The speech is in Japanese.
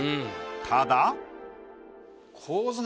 ただ。